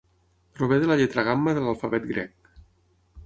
Prové de la lletra gamma de l'alfabet grec.